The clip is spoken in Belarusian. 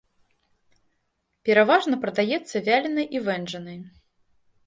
Пераважна прадаецца вяленай і вэнджанай.